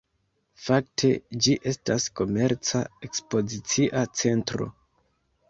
Fakte ĝi estas komerca-ekspozicia centro.